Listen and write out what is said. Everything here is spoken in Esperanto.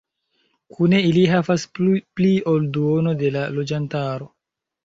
Kune ili havas pli ol duono de la loĝantaro.